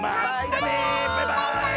バイバーイ！